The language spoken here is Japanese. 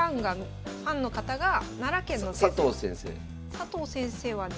佐藤先生はね